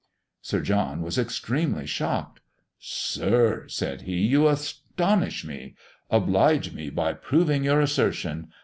Sir John was extremely shocked. "Sir," said he; "you astonish me: oblige me by proving your assertion.